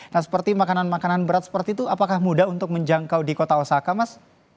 nah seperti makanan makanan berat seperti itu apakah mudah untuk menjangkau di kota osaka mas